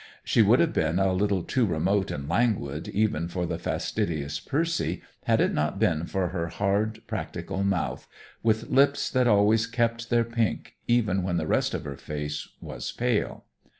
She would have been a little too remote and languid even for the fastidious Percy had it not been for her hard, practical mouth, with lips that always kept their pink even when the rest of her face was pale.